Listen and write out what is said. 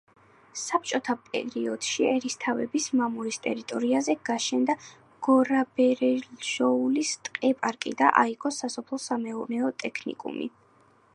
საბჭოთა პერიოდში ერისთავების მამულის ტერიტორიაზე გაშენდა გორაბერეჟოულის ტყე-პარკი და აიგო სასოფლო-სამეურნეო ტექნიკუმი.